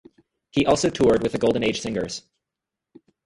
He also toured with the Golden Age Singers.